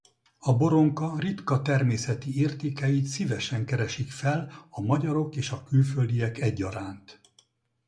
A Boronka ritka természeti értékeit szívesen keresik fel a magyarok és a külföldiek egyaránt.